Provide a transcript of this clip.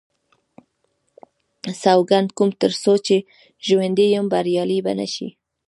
سوګند کوم تر څو چې ژوندی یم بریالی به نه شي.